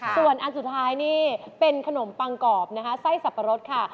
ส่วนอันสุดท้ายนี่เป็นขนมปังกรอบนะคะไส้สับปะรดค่ะ